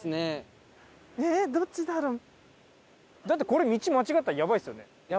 だってこれ道間違ったらやばいですよね。